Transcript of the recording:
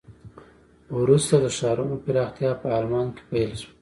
وروسته د ښارونو پراختیا په آلمان کې پیل شوه.